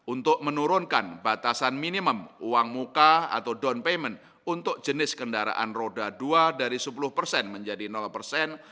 untuk menurunkan batasan minimum uang muka atau down payment untuk jenis kendaraan roda dua dari sepuluh persen menjadi persen